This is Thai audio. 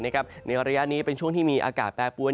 ในระยะนี้เป็นช่วงที่มีอากาศแปรปวน